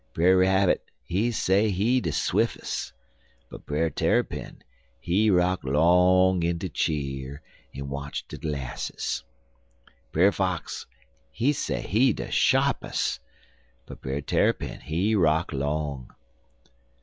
Brer Rabbit, he say he de swiffes'; but Brer Tarrypin, he rock long in de cheer en watch de 'lasses. Brer Fox, he say he de sharpes', but Brer Tarrypin he rock long.